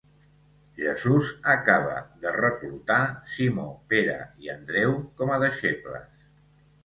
Jesús acaba de reclutar Simó Pere i Andreu com a deixebles.